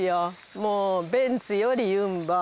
もうベンツよりユンボ。